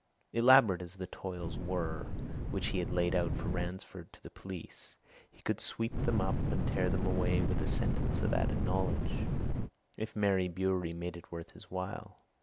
Elaborate as the toils were which he had laid out for Ransford to the police, he could sweep them up and tear them away with a sentence of added knowledge if Mary Bewery made it worth his while.